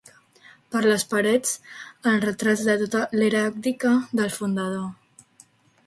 Per les parets, els retrats de tota l'heràldica del fundador